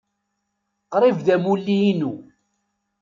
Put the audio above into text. Qrib d amulli-inu.